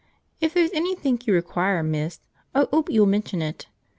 If there's anythink you require, miss, I 'ope you'll mention it.